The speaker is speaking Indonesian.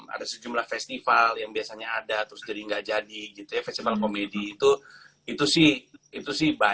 ada sejumlah festival yang biasanya ada terus jadi gak jadi gitu ya festival komedi itu